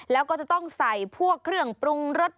แล้วก็จะต้องใส่พวกเครื่องปรุงรส